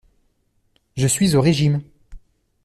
Je suis au régime.